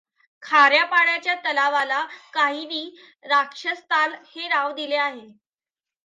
खाऱ्य़ा पाण्याच्या तलावाला काहीनी राक्षसताल हे नाव दिले आहे.